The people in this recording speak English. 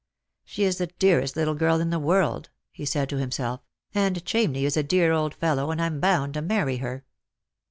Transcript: " She is the dearest little girl in the world," he said to him self, " and Chamney is a dear old fellow, and I'm bound to marry her."